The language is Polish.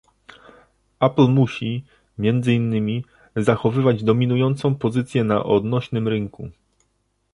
Apple musi, między innymi, zachowywać dominującą pozycję na odnośnym rynku